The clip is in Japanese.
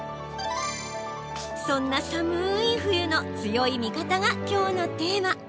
そんな寒い冬の強い味方がきょうのテーマ。